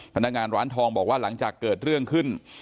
พนักงานร้านทองบอกว่าหลังจากเกิดเรื่องขึ้น